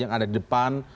yang ada di depan